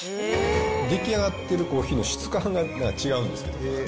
出来上がっているコーヒーの質感がなんか違うんですけど。